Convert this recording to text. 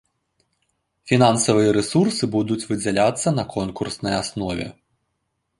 Фінансавыя рэсурсы будуць выдзяляцца на конкурснай аснове.